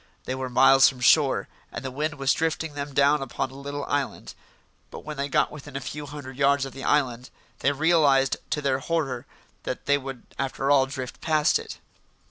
They were miles from shore, and the wind was drifting them down upon a little island. But when they got within a few hundred yards of the island, they realised to their horror that they would after all drift past it.